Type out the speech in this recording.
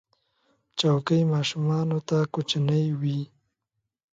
چوکۍ ماشومانو ته کوچنۍ وي.